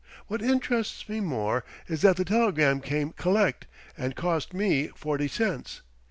What interests me more is that the telegram came collect and cost me forty cents.